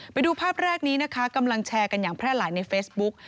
ไปดูภาพแรกนี้นะคะกำลังแชร์กันอย่างแพร่หลายในเฟซบุ๊ก